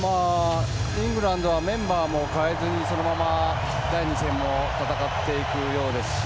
イングランドはメンバーも変えずにそのまま第２戦を戦っていくようですし。